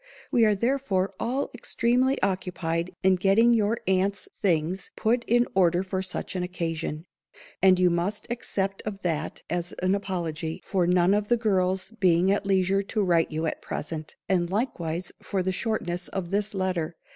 _ We are therefore all extremely occupied in getting your aunt's things put in order for such an occasion; and you must accept of that as an apology for none of the girls being at leisure to write you at present, and likewise for the shortness of this letter.